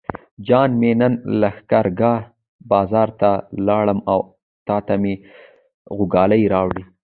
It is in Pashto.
جان مې نن لښکرګاه بازار ته لاړم او تاته مې غوږوالۍ راوړې.